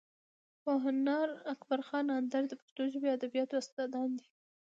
پوهنیار اکبر خان اندړ د پښتو ژبې او ادبیاتو استاد دی.